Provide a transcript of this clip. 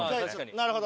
なるほど。